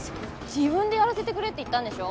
自分でやらせてくれって言ったんでしょ？